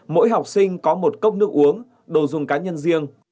mỗi học sinh có một cốc nước uống đồ dùng cá nhân riêng